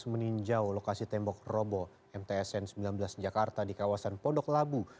meninjau lokasi tembok robo mtsn sembilan belas jakarta di kawasan pondok labu